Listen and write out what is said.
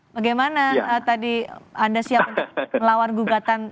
bagaimana tadi anda siap untuk melawan gugatan